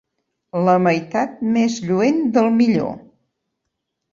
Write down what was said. La meitat més lluent del millor.